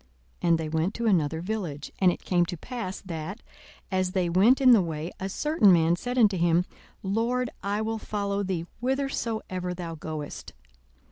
And they went to another village. 42:009:057 And it came to pass, that, as they went in the way, a certain man said unto him, Lord, I will follow thee whithersoever thou goest.